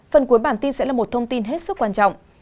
phần cuối bản tin sẽ là một thông tin hết sức quan trọng